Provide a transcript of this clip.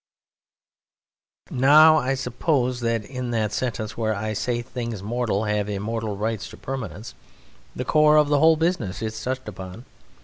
Now, I suppose that in that sentence where I say things mortal have immortal rights to permanence, the core of the whole business is touched upon.